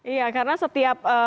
iya karena setiap menjelang peristiwa